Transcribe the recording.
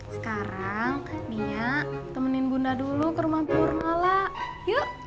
sekarang nia temenin bunda dulu ke rumah purnola yuk